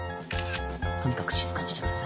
とにかく静かにしてください。